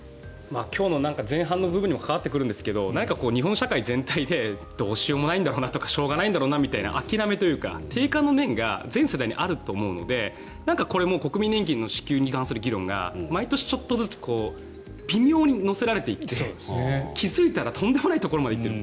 今日の前半部分にも関わってくるんですが日本社会全体でどうしようもないんだろうなという諦めというか諦観の念が全世代にあると思うので国民年金の支給に関する議論が毎年ちょっとずつ微妙に乗せられていって気付いたらとんでもないところに行っている。